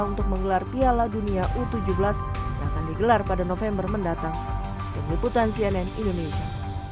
untuk menggelar piala dunia u tujuh belas yang akan digelar pada november mendatang tim liputan cnn indonesia